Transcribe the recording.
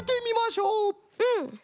うん。